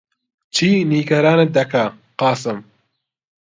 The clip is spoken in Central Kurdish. چی نیگەرانت دەکات، قاسم؟